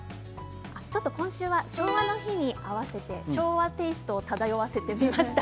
ちょっと今週は昭和の日に合わせて昭和テーストを漂わせてみました。